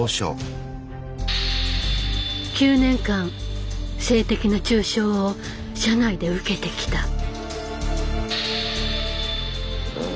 「９年間性的な中傷を社内で受けてきた」。